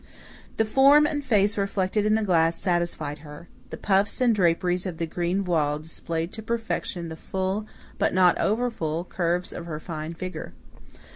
The form and face reflected in the glass satisfied her. The puffs and draperies of the green voile displayed to perfection the full, but not over full, curves of her fine figure.